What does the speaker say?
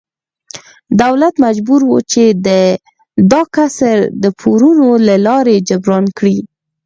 دولت مجبور و چې دا کسر د پورونو له لارې جبران کړي.